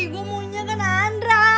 gua maunya kan andra